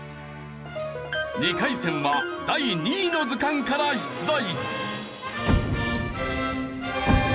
２回戦は第２位の図鑑から出題。